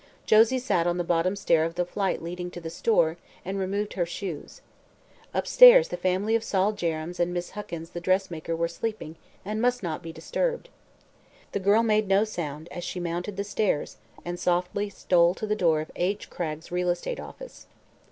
Josie sat on the bottom stair of the flight leading to the store and removed her shoes. Upstairs the family of Sol Jerrems and Miss Huckins the dressmaker were sleeping and must not be disturbed. The girl made no sound as she mounted the stairs and softly stole to the door of H. Cragg's real estate office.